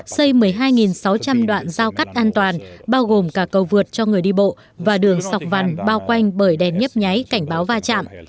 xây một mươi hai sáu trăm linh đoạn giao cắt an toàn bao gồm cả cầu vượt cho người đi bộ và đường sọc vằn bao quanh bởi đèn nhấp nháy cảnh báo va chạm